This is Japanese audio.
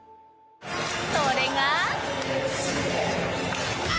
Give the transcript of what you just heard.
それが